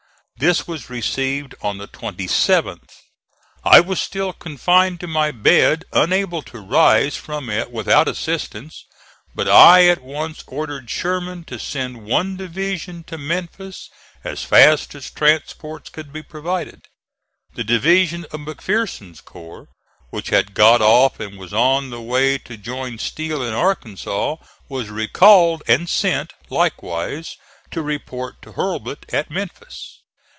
This was received on the 27th. I was still confined to my bed, unable to rise from it without assistance; but I at once ordered Sherman to send one division to Memphis as fast as transports could be provided. The division of McPherson's corps, which had got off and was on the way to join Steele in Arkansas, was recalled and sent, likewise, to report to Hurlbut at Memphis.